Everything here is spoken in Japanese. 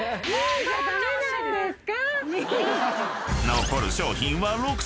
［残る商品は６品］